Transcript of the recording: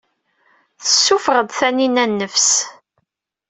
Tessuffeɣ-d Taninna nnefs.